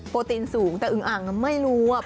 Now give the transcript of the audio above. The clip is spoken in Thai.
โปรตีนสูงแต่อึงอังไม่รู้